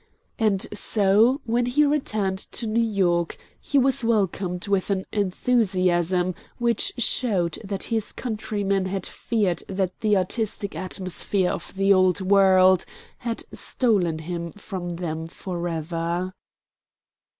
And so when he returned to New York he was welcomed with an enthusiasm which showed that his countrymen had feared that the artistic atmosphere of the Old World had stolen him from them forever.